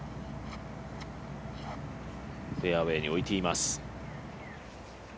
フェアウエーに置いています。